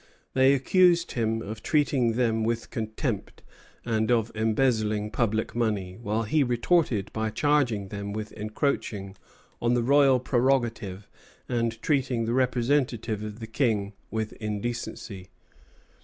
They accused him of treating them with contempt, and of embezzling public money; while he retorted by charging them with encroaching on the royal prerogative and treating the representative of the King with indecency.